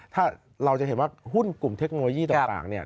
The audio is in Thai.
ถ้าเราจะเห็นว่าหุ้นกลุ่มเทคโนโลยีต่างเนี่ย